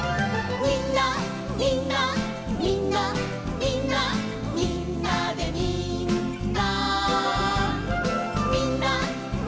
「みんなみんなみんなみんなみんなみんな」